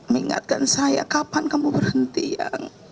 mengingatkan saya kapan kamu berhenti ya